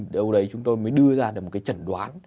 đâu đấy chúng tôi mới đưa ra được một cái trần đoán